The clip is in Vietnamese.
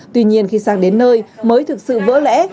tuy nhiên khi sang đến nơi mới thực sự vỡ lẽ